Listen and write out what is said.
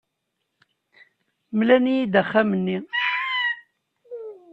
Mlan-iyi-d axxam-nni.